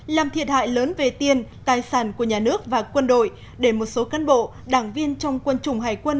làm thiệt hại lớn về tiền tài sản của nhà nước và quân đội để một số cán bộ đảng viên trong quân chủng hải quân